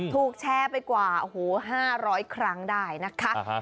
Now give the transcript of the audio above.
ถูกแชร์ไปกว่า๕๐๐ครั้งได้นะคะ